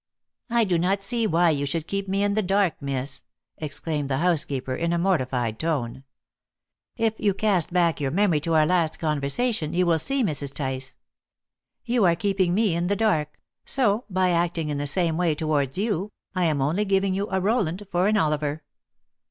"I do not see why you should keep me in the dark, miss," exclaimed the housekeeper, in a mortified tone. "If you cast back your memory to our last conversation, you will see, Mrs. Tice. You are keeping me in the dark; so, by acting in the same way towards you, I am only giving you a Roland for an Oliver."